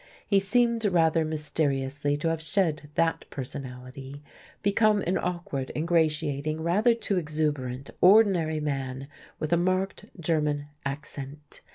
He seemed rather mysteriously to have shed that personality; become an awkward, ingratiating, rather too exuberant, ordinary man with a marked German accent.